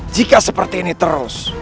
jika seperti ini terus